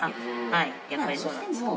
やっぱりそうなんですか。